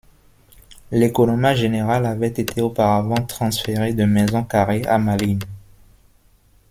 L'économat général avait été auparavant transféré de Maison-Carrée à Malines.